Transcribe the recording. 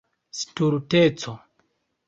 stulteco